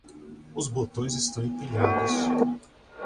Os botões estão empilhados.